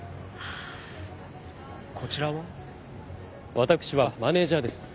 私はマネージャーです。